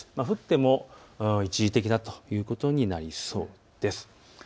降っても一時的だということになりそうです。